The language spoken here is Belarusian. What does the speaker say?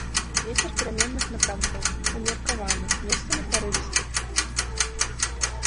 Вецер пераменных напрамкаў, умеркаваны, месцамі парывісты.